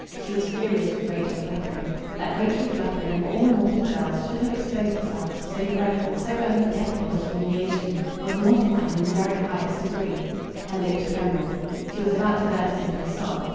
She was furious with Rachel Fleckring. That Rachel Fleckring, of all mortal girls, should have exposed herself to so dreadful, so unforgettable a humiliation was mortifying in the very highest degree. Her lips trembled. She was about to burst into a sob.